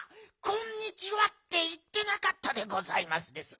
「こんにちは」っていってなかったでございますです。